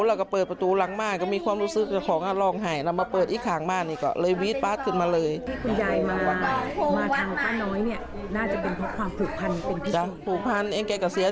แล้วก็เปิดประตูหลังบ้านก็มีความรู้สึกกับของล้องไห่